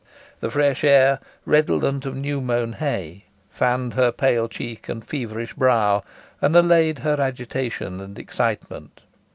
The fresh air, redolent of new mown hay, fanned her pale cheek and feverish brow, and allayed her agitation and excitement.